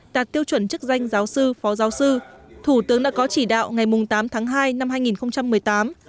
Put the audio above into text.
đạt tiêu chuẩn chức danh giáo sư phó giáo sư thủ tướng đã có chỉ đạo ngày tám tháng hai năm hai nghìn một mươi tám